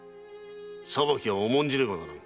裁きは重んじねばならぬ。